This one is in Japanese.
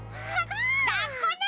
らっこね！